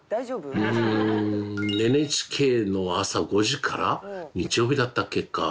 ＮＨＫの朝５時から日曜日だったっけか？